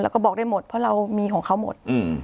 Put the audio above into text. แล้วก็บอกได้หมดเพราะเรามีของเขาหมด